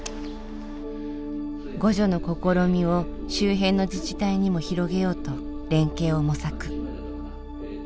互助の試みを周辺の自治体にも広げようと連携を模索。